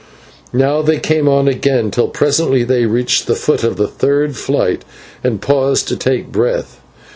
Now they came on again, till presently they reached the foot of the third flight, and paused to take breath.